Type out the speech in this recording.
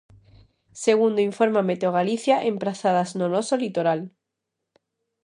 Segundo informa Meteogalicia emprazadas no noso litoral.